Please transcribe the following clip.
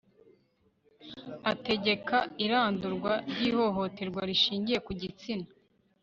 ategeka irandurwa ry'ihohoterwa rishingiye ku gitsina